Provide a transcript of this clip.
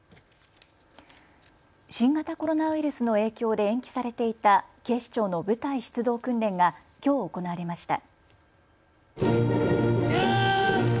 新型コロナウイルスの影響で延期されていた警視庁の部隊出動訓練がきょう行われました。